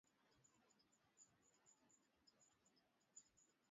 ya kumi na sita kuupigania ukweli huo kulivunja umoja wa Ukristo wa